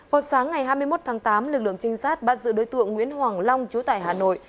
vào sáng ngày hai mươi một tháng tám lực lượng trinh sát bắt giữ đối tượng nguyễn hoàng long chú tại hà nội